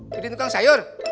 bidin tukang sayur